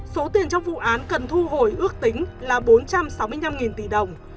số tiền trong vụ án cần thu hồi ước tính là bốn trăm sáu mươi năm tỷ đồng